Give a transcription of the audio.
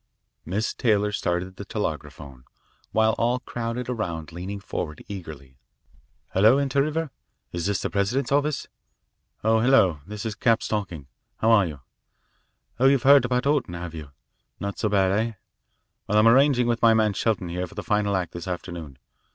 Miss Taylor started the telegraphone, while we all crowded around leaning forward eagerly. "Hello. Inter River? Is this the president's office? Oh, hello. This is Capps talking. How are you? Oh, you've heard about Orton, have you? Not so bad, eh? Well, I'm arranging with my man Shelton here for the final act this afternoon.